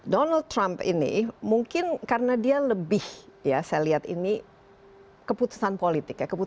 donald trump ini mungkin karena dia lebih ya saya lihat ini keputusan politik ya